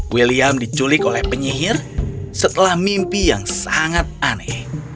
william diculik oleh penyihir setelah mimpi yang sangat aneh